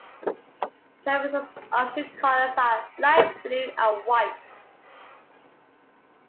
Treviso's official colours are light blue and white.